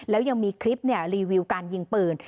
แล้วยังมีคลิปรีวิวการยิงปืน